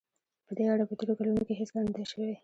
په دې اړه په تېرو کلونو کې هېڅ کار نه دی شوی.